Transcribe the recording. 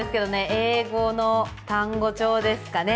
英語の単語帳ですかね。